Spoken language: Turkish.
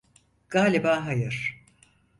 Galiba hayır.